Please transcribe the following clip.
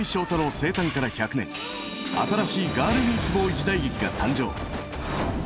生誕から１００年新しいガールミーツボーイ時代劇が誕生。